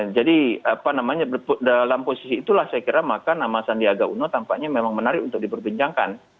jadi dalam posisi itulah saya kira maka nama sandiaga uno tampaknya memang menarik untuk diperbincangkan